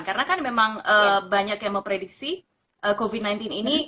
karena kan memang banyak yang mau prediksi covid sembilan belas ini